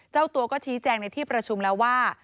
เจ้าตัวก็ชี้แจงในที่ประชุมแล้วว่า